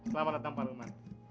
selamat datang pak nukman